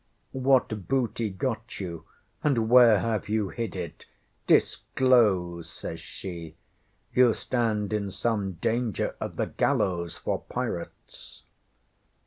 What booty got you, and where have you hid it? Disclose, ŌĆØ says she. ŌĆ£You stand in some danger of the gallows for pirates.